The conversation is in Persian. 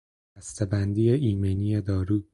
بسته بندی ایمنی دارو